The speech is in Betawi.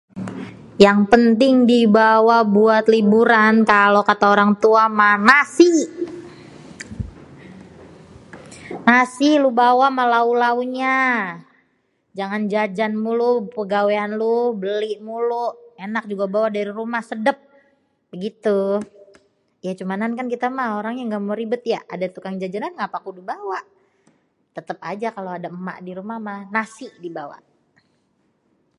yang penting di bawa buat liburan kalo kata orang tua mah nasi! nasi lu bawa ama lauk-lauknyaa, jangan jajan mulu pegawéan lu beli mulu, enak juga bawa dari rumah sedép, begitu. Ya cumanan kan kita mah orangnya gak mau ribet ya, ada tukang jajanan ya ngapa kudu bawa. Tetep aja kalo ada emak di rumah mah nasi dibawa.